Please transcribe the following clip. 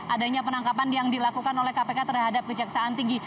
adanya penangkapan yang dilakukan oleh kpk terhadap kejaksaan tinggi